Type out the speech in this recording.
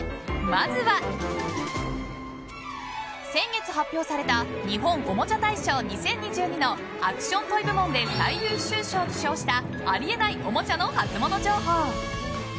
まずは、先月発表された日本おもちゃ大賞２０２２のアクション・トイ部門で最優秀賞を受賞したあり得ないおもちゃのハツモノ情報。